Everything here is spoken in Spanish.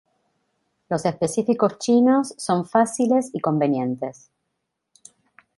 Los específicos chinos son fáciles y convenientes.